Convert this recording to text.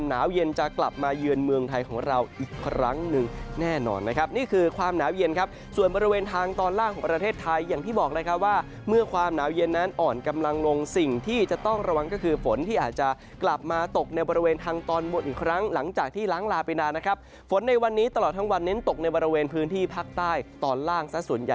แน่นอนนะครับนี่คือความหนาวเย็นครับส่วนบริเวณทางตอนล่างของประเทศไทยอย่างที่บอกเลยครับว่าเมื่อความหนาวเย็นนั้นอ่อนกำลังลงสิ่งที่จะต้องระวังก็คือฝนที่อาจจะกลับมาตกในบริเวณทางตอนบนอีกครั้งหลังจากที่ล้างลาไปนานนะครับฝนในวันนี้ตลอดทั้งวันเน้นตกในบริเวณพื้นที่ภาคใต้ตอนล่าง